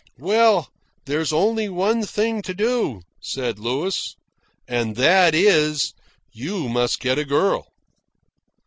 "Well, there's only one thing to do," said Louis, "and that is, you must get a girl."